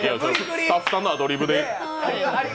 スタッフさんのアドリブで。